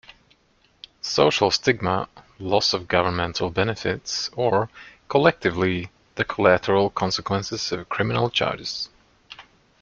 social stigma, loss of governmental benefits, or, collectively, the collateral consequences of criminal charges.